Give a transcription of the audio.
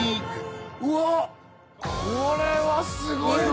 これはすごいわ！